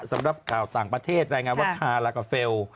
สำหรับข่าวต่างประเทศรายงานว่าทารากาเฟล